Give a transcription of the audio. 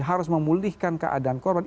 harus memulihkan keadaan korban